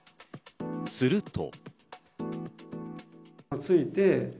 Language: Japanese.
すると。